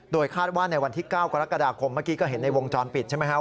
คาดว่าในวันที่๙กรกฎาคมเมื่อกี้ก็เห็นในวงจรปิดใช่ไหมครับ